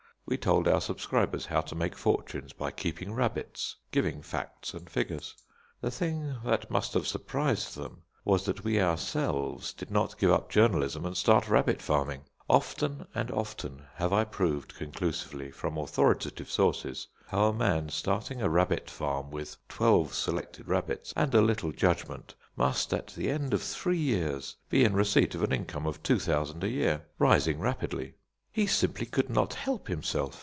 We told our subscribers how to make fortunes by keeping rabbits, giving facts and figures. The thing that must have surprised them was that we ourselves did not give up journalism and start rabbit farming. Often and often have I proved conclusively from authoritative sources how a man starting a rabbit farm with twelve selected rabbits and a little judgment must, at the end of three years, be in receipt of an income of two thousand a year, rising rapidly; he simply could not help himself.